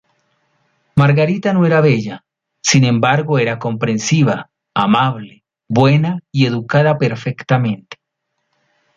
Margarita no era bella, sin embargo era comprensiva, amable, buena y educada perfectamente.